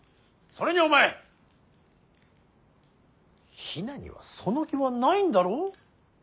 それにお前比奈にはその気はないんだろ。